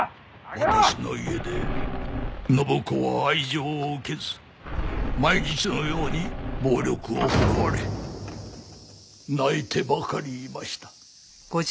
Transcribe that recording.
私の家で展子は愛情を受けず毎日のように暴力を振るわれ泣いてばかりいました。